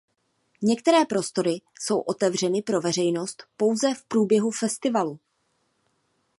Některé prostory jsou otevřeny pro veřejnost pouze v průběhu festivalu.